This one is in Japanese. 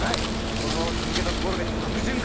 このまま続けたところで悪循環に。